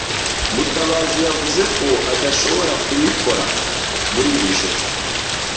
Mutabazi yavuze ko adashobora kuyikora muri iri joro,